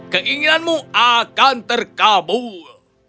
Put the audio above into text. keinginanmu akan terkabul